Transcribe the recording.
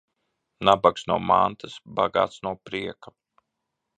Nabags no mantas, bagāts no prieka.